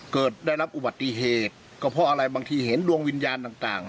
เกิดได้รับอุบัติเหตุก็เพราะอะไรบางทีเห็นดวงวิญญาณต่าง